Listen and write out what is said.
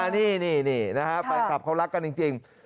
นี่นี่นี่นะครับแฟนคลับเขารักกันจริง